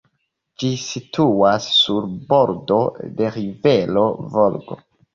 Ĝi situas sur bordo de rivero Volgo.